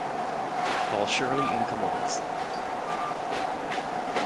Paul Shirley in command.